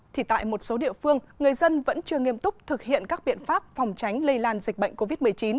thì tại một số địa phương người dân vẫn chưa nghiêm túc thực hiện các biện pháp phòng tránh lây lan dịch bệnh covid một mươi chín